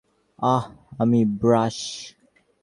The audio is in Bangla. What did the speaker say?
আঃ, আমি ব্রুস।